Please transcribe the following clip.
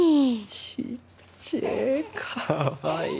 ちっちぇえかわいい